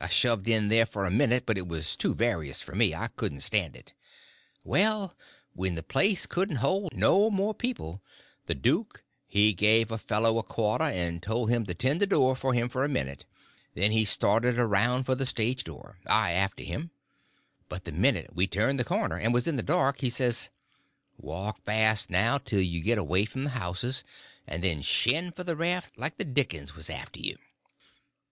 I shoved in there for a minute, but it was too various for me; I couldn't stand it. Well, when the place couldn't hold no more people the duke he give a fellow a quarter and told him to tend door for him a minute, and then he started around for the stage door, I after him; but the minute we turned the corner and was in the dark he says: "Walk fast now till you get away from the houses, and then shin for the raft like the dickens was after you!"